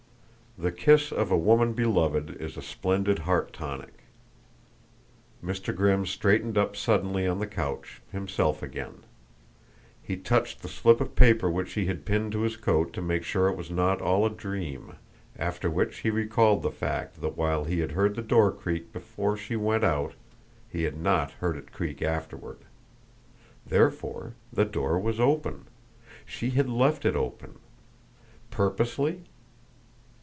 The kiss of a woman beloved is a splendid heart tonic. Mr. Grimm straightened up suddenly on the couch, himself again. He touched the slip of paper which she had pinned to his coat to make sure it was not all a dream, after which he recalled the fact that while he had heard the door creak before she went out he had not heard it creak afterward. Therefore, the door was open. She had left it open. Purposely?